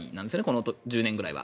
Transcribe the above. この１０年ぐらいは。